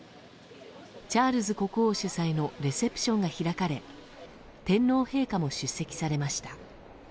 チャールズ国王主催のレセプションが開かれ天皇陛下も出席されました。